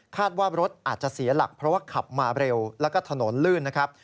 ว่ารถอาจจะเสียหลักเพราะว่าขับมาเร็วแล้วก็ถนนลื่นนะครับ